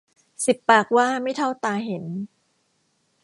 สิบปากว่าไม่เท่าตาเห็น